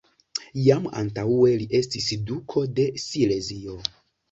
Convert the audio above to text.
Jam antaŭe li estis duko de Silezio.